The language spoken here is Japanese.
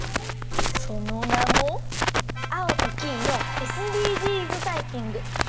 そのなも「アオとキイのＳＤＧｓタイピング」。